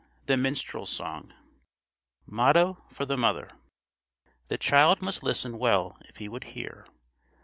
THE MINSTREL'S SONG MOTTO FOR THE MOTHER The child must listen well if he would hear.